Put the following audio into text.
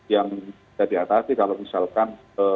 yang bisa diatasi kalau misalkan